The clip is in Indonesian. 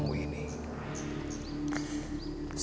sembunyikan jati dirimu